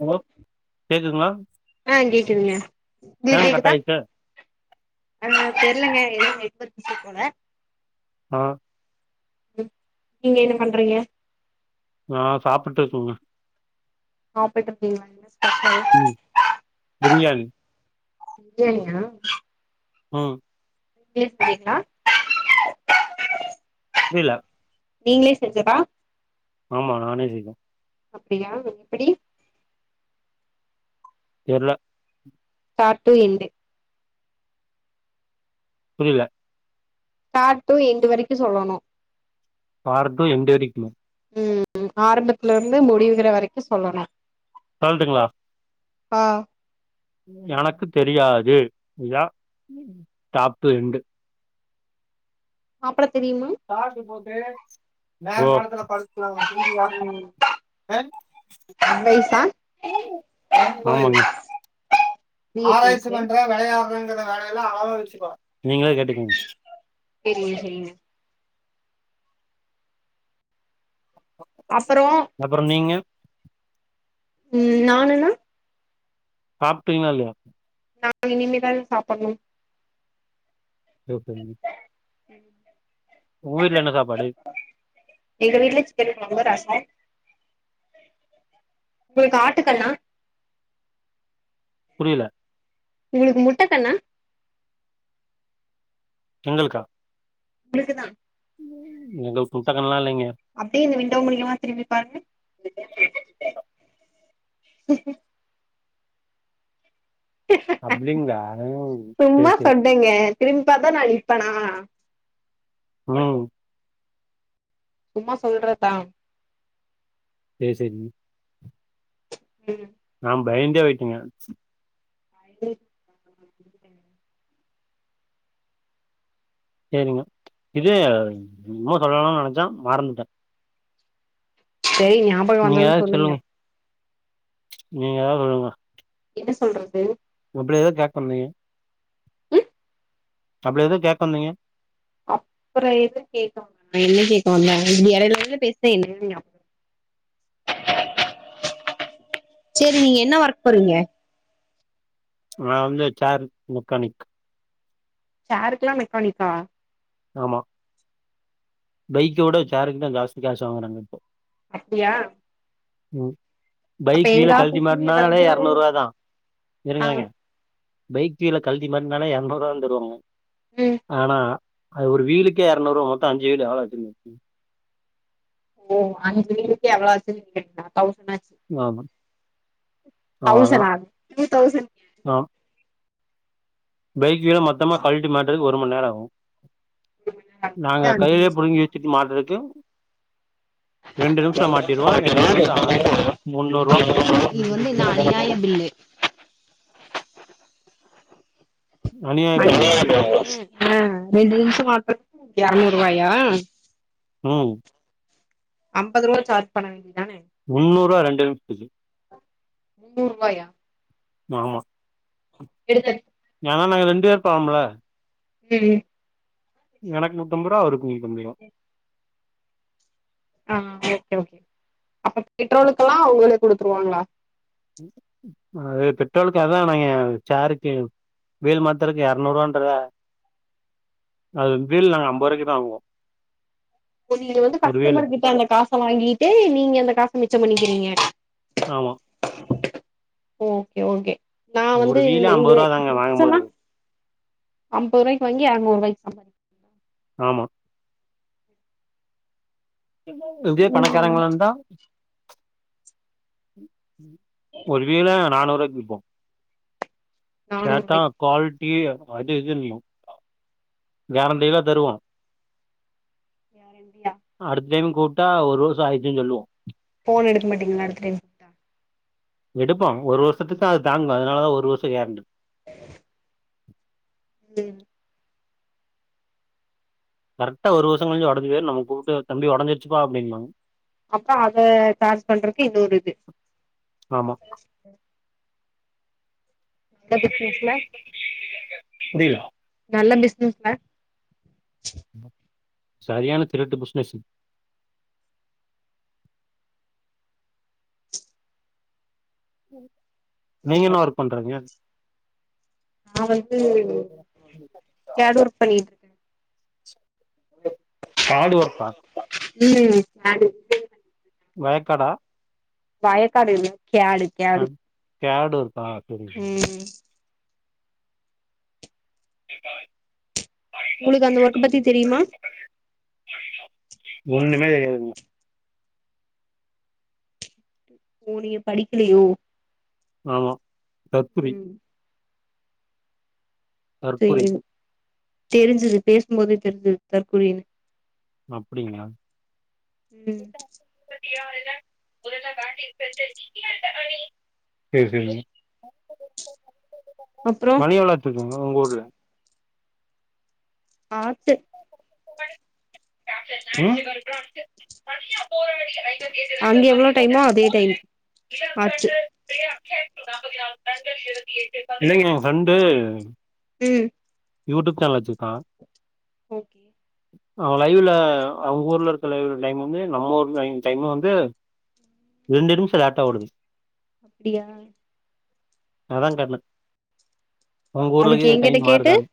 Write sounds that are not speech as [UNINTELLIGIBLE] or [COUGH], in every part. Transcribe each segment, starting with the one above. hello கேக்குதுங்களா ஆன் கேக்குதுங்க இங்க ஏங்க கட் கேக்குதா ஆயிடுச்சு அதா தெர்லங்க ஏதோ ஹெல்பர் இசு போல ஆன் நீங்க என்ன பண்றீங்க நா சாப்புட்டுருகங்க சாப்புட்டு [UNINTELLIGIBLE] என்ன ஸ்பெஷல் ம் பிரியாணி பிரியாணியா ஆன் பேசுறிங்ளா புரில நீங்ளே செஞ்சதா ஆமா நானே செஞ்சேன் அப்டியா எப்புடி தெர்ல பார்ட் ட்உ எண்டு புரில பார்ட் ட்உ எண்டு வரிக்கு சொல்லணு பார்ட் ட்உ எண்டு வரிக்கிகுமா ம் ம் ஆரம்பத்ல இருந்து முடிகிற வரைக்கு சொல்லணு சொல்ட்டுங்களா ஆ எனக்கு தெரியாது இதா டாப் ட்உ எண்டு சாப்ட தெரியுமா சாட்டு போத்தே வேற எடத்ல படுத் [UNINTELLIGIBLE] புரிஞ்சிதா ம் அட்வைஸா ஃப்ரீ அ அட்வைஸு ஆமாங்க நீங்களே கேட்டுகங்க செரிங்க செரிங்க அப்றோ அப்றோ நீங்க ம் நானு நா சாப்டிங்ளா இல்லயா நா இனிமே தாங்க சாப்ட்ண்ணும் ஷேவ் பண்ணி [INAUDIBLE] உங்க வீட்ல என்ன சாப்பாடு எங்க வீட்ல சிக்கன் கொழம்பு ரசொ உங்களுக்கு காட்டு கண்ணா புரியல உங்ளுக்கு முட்டக்கண்ணா எங்களுக்கா உங்ளுக்கு தா எங்ளுக்கு முட்ட கண்லா இல்லங்க அப்டியே இந்த விண்டோ மூலியமா திரும்பிப்பாருங்க அப்டிங்ளா சேர் சேர் ஏங்க திரும்பாத்தா நா நிப்பனா ம் சும்மா சொல்றத்தா கேசரி ம் நா பய்ந்தே ஓய்ட்டேங்க [INAUDIBLE] சேரிங்க இது ன்னமோ சொல்லனுன் நெனச்ச மறந்துட்டே சேரி நா நீங்க எதாவது சொல்லுங் நீங்க எதாவது சொல்லுங்க என்ன சொல்றது ஒ அப்டல எதா கேக் வந்திங் ம் அப்பல எதோ கேக் வந்தீங்க அப்றோ எதுக் கேக்க [INAUDIBLE] என்ன கேக்கவந்தே நீ எடைல எடைல பேசி [INAUDIBLE] நியாப் செரி நீங்க என்ன ஒர்க் போறீங்க நா வந்து சேர் மெக்கானிக் சேருக்கெல்லா மெக்கானிக்கா ஆமா பைக்கவிட சேருக்கு தா ஜாஸ்தி காசு வாங்கறாங்க இப்போ அப்டியா ம் அப்ப பைக் கீழ எங்க கழ்ல்டி ஆபீஸ்லயு மாட்னாலே ஏதாவது எர்நூரூவா தா ஆ இருங்க இருங்க பைக் கீழே கழ்ல்டி மாட்னாலே எர்நூரூவா வந்துரு ம் ஆனா அது ஒரு வீளுக்கே அர்நூறுவா மொத்தோ அஞ்சு வீலு ஆராய்ரித்தி [INAUDIBLE] ஓ அ [UNINTELLIGIBLE] அவ்ளோ ஆ [UNINTELLIGIBLE] தவுசன்நாச்சு ஆமா தௌசணா த்ரி தௌசண் நா பைக்கு வீளே மொத்தமா கழ்ட்டி மாட்றக் ஒரு மண் நேரோ ஆகு நாங்க அஞ்சு கையிலேயே நிமிஷ ஆகுமா புடுங்கி தூக்கி மாட்டுறக்கு ரெண்டு நிமிஷோ மாட்டிருவோ எங்களுக்கு வந்து ஆ முன்னூறுரூவா இது வந்து என்ன அநியாய பில்லு அநியாய [INAUDIBLE] பில்லுங்க அ ரெண்டு நிமிஷம் மாற்றக்கு எரநூரூவாயா ம் ஐம்பது ரூபா சார்ஜ் பண்ண வேண்டியத்தானே முன்னூருவா ரெண்டு நிம்ஷ்துக்கு முன்னூரூவாயா ஆமா எடுத்த ஏனா நாங்க ரெண்டு பேர் போவோம்லே ம் எனக் நூத்தம்பதுரூவா அவருக் நூத்தம்பதுரூவா ஆம் ஓகே ஓகே அப்போ பெட்ரோலுக்கெல்லா அவ்ங்களே குடுத்துருவாங்களா அது பெட்ரோலுக்கு அதா நா ஏ சேருக்கு வீல் மாத்தருக்கு எரநூறுவான்ற அது வீல் நாங்க அம்பருவாய்க்கிதா வாங்குவோ இப்போ நீங்க வந்து ஒரு வீலு கஸ்டமர் கிட்ட அந்த காச வாங்கி கிட்டு நீங்க அந்த காஸ் மிச்சம் பண்ணிக்கிறீங்க ஆமா ஓகே ஓகே நா வந்து ஒரு இம் வீலே இந்த ஐம்பது ரூபா தாங்க வாங்கும் டிப்ஸல்லா போது அம்பருவாய்க்கி வாங்கி அறுநூறுவாய்க் ஆமா இதே ம் பணக்காரங்களா இருந்தா ஒரு வீல நானூருவாய்க்கி விப்போ நானூறு ரூவாய்க்கு கேட்டா க்வாலிட்டி அது இதுன்போ கேரண்டிலா தருவோ ய அடுத்டைம் கூப்ட்டா ஒரு வர்ஷொ ஆயிரிச்சின் சொல்லுவோ ஃபோன் எடுக் மாட்டீங்ளா அடுத்த டைம் கூப்ட்டா எடுப்போ ஒரு வருஷத்துக்தா அது தாங்கு அதுனால தா ஒரு வர்ஷோ கேரண்டி உ கரெக்ட்டா ஒரு வர்ஷோ கழிச்சு ஒடஞ்சு போய்ரு நம்ம குடுக்ற தம்பி ஒடஞ்சிருச்சுப்பா அப்டிம்பாங்க அப்ப அத சார்ஜ் பண்றதுக்கு இது ஒரு இது ஆமா நல்ல பிஸ்னஸ்ல புரில நல்ல பிஸ்னஸ்ல சரியான திருட்டு பிஸ்னஸ் நீங்க என்னா ஒர்க் பண்றீங்க நா வந்து கேட் ஒர்க் பண்ணியிட் காட் ஒர்க்கா ம் [UNINTELLIGIBLE] வயக்காடா வயக்காடு இல்ல கேடு கேடு கேட் ஒர்க்கா செரி ம் உங்களுக்கு அந்த ஒர்க் பத்தி தெரியுமா ஒன்னுமே தெரியாதுங் ஓ நீங்க படிக்கலயோ ஆமா தற்குரி ம் தற்குறி சேரி தெரிஞ்சிது பேசும்போதே தெரிஞ்சிது தற்குறினு அப்டிங்ளா ம் [INAUDIBLE] சேரி சேரி அப்றோ மணி வளாத்துக்கங்க உங்க ஊரு ஆத்து ம் அங்க எவ்ளோ டைமோ அதே டைம் ஆர்ட்ஸு இல்லேங்க ரெண்டு ம் யூட்டுப் சேனல் வெச்சிருக்கா ஓகே அவே லைவ்ல அவங்க ஊர்ல இருக்கிற லைவ்ல டைம் வந்து நம்ம ஊர்ல லைவ் டைம் வந்து ரெண்டு நிமிஷ லேட்டா ஓடுது அப்டியா அதா கேட் நா உங்க அதுக்கு ஊர்லக்கீதுல எங்கிட்ட டைம் கேட்டு மாறுதானு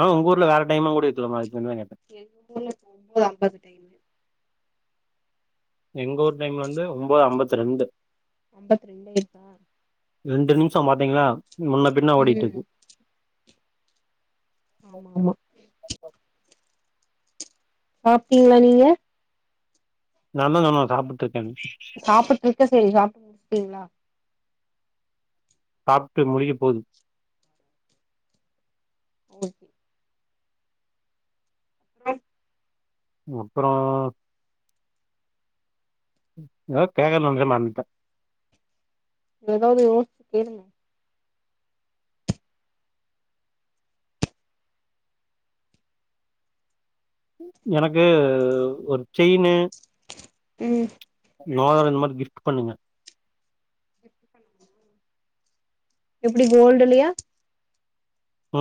ஆ உங்க ஊர்ல வேற டைமா கூட இருக்கலாம்ல அதுகான்டிதா கேட்டே [UNINTELLIGIBLE] அம்பது டைம் எங்க ஊர் டைம்ல வந்து ஒம்போது அம்பத்தி ரெண்டு அம்பத் ரெண்டே [INAUDIBLE] ரெண்டு நிம்ஷோ பாத்தீங்கனா முன்ன பின்ன ஓடிட்ருக்கு ஆமா ஆமா சாப்டீங்ளா நீங்க நா தா சொன்ன சாப்புட்ருக்கேன் சாப்புட் இருக்க செரி சாப்டீங்ளா சாப்ட்டு முடியபோது ஓகே அப்பறோ எதோ கேக்க நெனச்சே மறந்ட எதாவது ஓ கேளுங் எனக்கு ஒரு ஜெயினு ம் மோதரம் இந் மாரி கிஃப்ட் பண்ணுங்க எப்டி கோல்டுலயா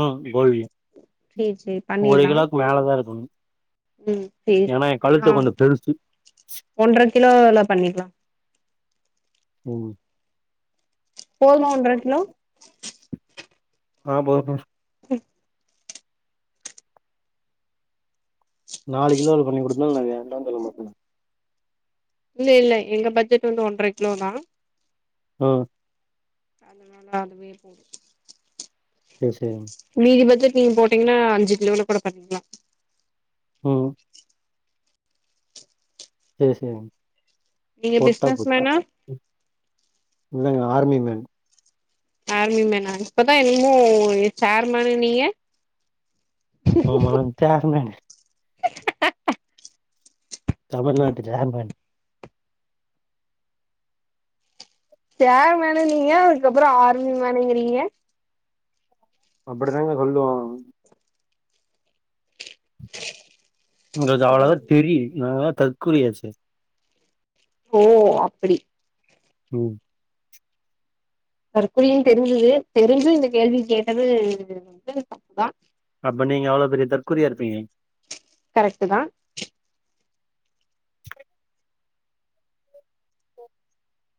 ம் கோல்டு சேரி சேரி ஒரு பண்ணிர்லா கிலோக்கு மேலதா இருக்கணு ம் சேரி ஏனா சேரி எ கழுத்து நா கொஞ்சோ பெருசு ஒன்ற கிலோல பண்ணிலா உம் போதுமா ஒன்ற கிலோ ஆ [UNINTELLIGIBLE] நாலு கிலோல பண்ணி குடுத்தாலு நா வேண்டான் சொல்ல மாட்ட இல்ல இல்ல எங்க பட்ஜெட் வந்து ஒன்ற கிலோ தா ஓ அதனால அதுவே போது செர் செர் மீதி பட்ஜெட் நீங்க போட்டீங்ன்னா அஞ்சு கிலோல கூட பண்ணீக்ளா உம் செரி செரி நீங்க போட்டா பிசினஸ் போச்சு மேனா இல்லங்க ஆர்மி மேன் ஆர்மி மேனா இப்பதா என்னமோ ஒரு சேர்மேனுன்னீங்க ஆமா சேர்மேனு தமிழ்நாட்டு சேர்மன் சேர்மேன்னுன்னீங்க அதுக்கப்றோ ஆர்மிமேனுங்கிறீங்க அப்டிதாங்க சொல்லுவோ எங்களுக் சேரி அவ்வளதா தெரியூ நாங்கதா தற்குறியாச்சே ஓ அப்படி ம் தற்குறினு தெரிஞ்சது தெரிஞ்சு இந்த கேள்வி கேட்டது வந்து தப்புதா அப்ப நீங்க எவ்ளோ பெரிய தற்குறியா இருப்பீங்க கரெக்ட்டுதா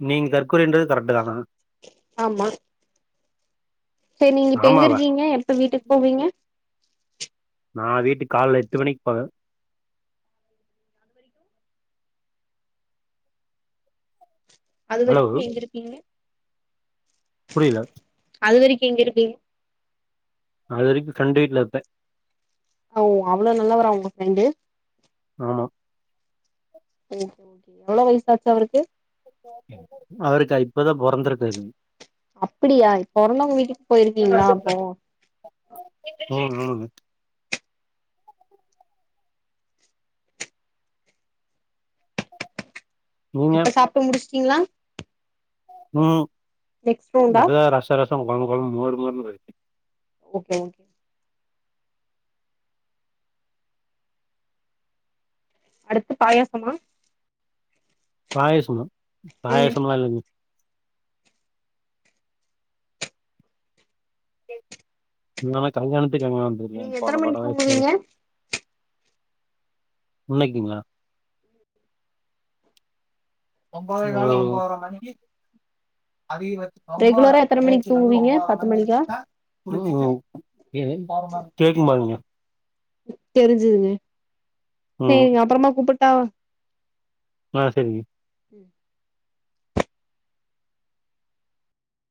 நீங்க தற்குறின்றது கரட்டு தானா ஆமா செரி நீங்க இப்ப ஆமாவா எங்கருக்கீங்க எப்ப வீட்டுக்கு போவீங்க நா வீட்டுக்கு காலைல எட்டு மணிக் போவே அது ஹலோ வரைக்கு எங்கருப்பீங்க புரில அது வரைக்கு எங்கருப்பீங் அது வரைக்கு பிரெண்ட் வீட்லருப் ஒ அவ்ளோ நல்லவரா உங்க ஃபிரெண்டு ஆமா ஓகே ஓகே எவ்ளோ வயசாச்சு அவருக்கு அவருக்கா இப்பதா பொறந்துகாரு அப்டியா இப் பொறந்தவங்க வீட்டுக்கு போயிருக்கீங்களா அப்போ ஹ ம் நீங்க இப்ப சாப்டு முடிச்ட்டீங்களா ம் நெக்ஸ்ட் ரவுண்டா இப்பதா ரசோ ரசோ குழம்பு குழம்பு மோரு மோரு ஓகே அடுத்து பாயாசமா பிராயசம்மா ம் பிராயசம்லா இல்ல கல்யாணத்துக்கு கல்யணம் வந்துரிய நீங்க எத்தன போன வட மணிக்கு வயசு தூங்குவீங்க உன்னைக்டீங்களா ஒன்போதே ஹால் ஒன்போதர மணிக்கு அதிக ஒன்போதர ரெகுலரா எத்தன மணிக்கு நைட்டு வந்து தூங்குவீங்க ஒன்போதர பத்து மணிக்கு மணிக்கா எந்திப்பே [INAUDIBLE] ஒ கேக்குமாங்க தெரிஞ்சுதுங்க ம் சேரிங்க அப்றமா கூப்பிட்டா ஆ சேரி ம் [INAUDIBLE]